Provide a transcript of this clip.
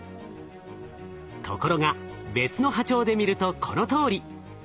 ところが別の波長で見るとこのとおり。